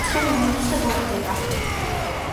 ცხენი მიდის და გოგდება